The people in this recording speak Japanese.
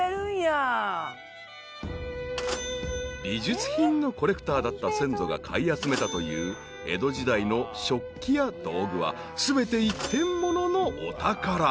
［美術品のコレクターだった先祖が買い集めたという江戸時代の食器や道具は全て一点物のお宝］